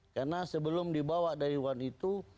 karena sebelum dibawa dari wuhan itu